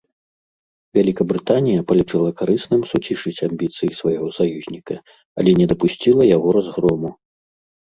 Вялікабрытанія палічыла карысным суцішыць амбіцыі свайго саюзніка, але не дапусціла яго разгрому.